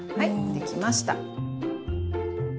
できました。